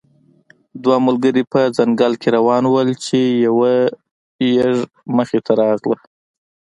دوه ملګري په ځنګل کې روان وو چې یو یږه مخې ته راغله.